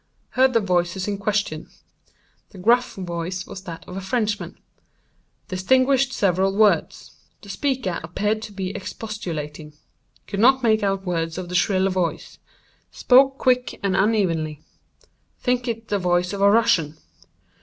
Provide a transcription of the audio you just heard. Heard the voices in question. The gruff voice was that of a Frenchman. Distinguished several words. The speaker appeared to be expostulating. Could not make out the words of the shrill voice. Spoke quick and unevenly. Thinks it the voice of a Russian.